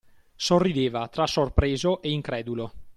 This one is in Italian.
Sorrideva, tra sorpreso e incredulo